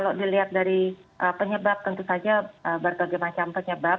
kalau dilihat dari penyebab tentu saja berbagai macam penyebab